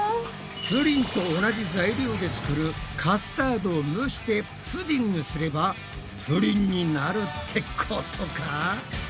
プリンと同じ材料で作る「カスタード」を蒸して「プディング」すればプリンになるってことか！？